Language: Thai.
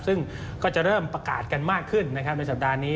ซึ่งก็จะเริ่มประกาศกันมากขึ้นนะครับในสัปดาห์นี้